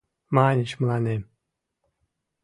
Маньыч мыланем: